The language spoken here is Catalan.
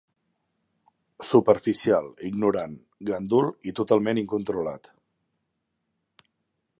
Superficial, ignorant, gandul i totalment incontrolat!